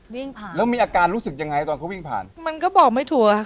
วิ่งผ่านแล้วมีอาการรู้สึกยังไงตอนเขาวิ่งผ่านมันก็บอกไม่ถูกอะค่ะ